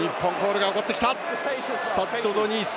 スタッド・ド・ニース。